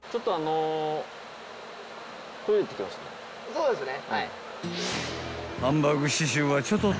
そうですね。